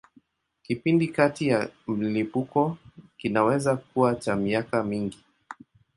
Kipindi kati ya milipuko kinaweza kuwa cha miaka mingi.